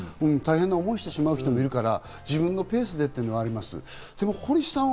大変な思いをしてしまう人もいるから自分のペースでというのがあります。